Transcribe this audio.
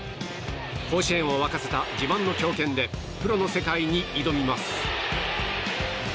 甲子園を沸かせた自慢の強肩でプロの世界に挑みます。